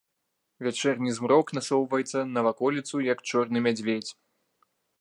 Вячэрні змрок насоўваецца на ваколіцу, як чорны мядзведзь.